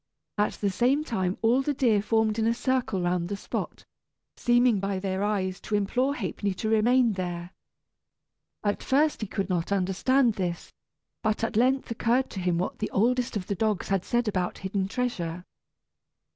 At the same time all the deer formed in a circle round the spot, seeming by their eyes to implore Ha'penny to remain there. At first he could not understand this, but at length occurred to him what the oldest of the dogs had said about hidden treasure.